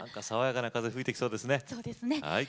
爽やかな風が吹いてきそうですね。